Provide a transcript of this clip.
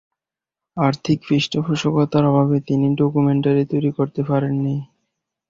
আর্থিক পৃষ্ঠপোষকতার অভাবে তিনি ডকুমেন্টারি তৈরি করতে পারেননি।